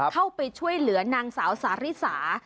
เข้าไปช่วยเหลือนางสาวสาริสา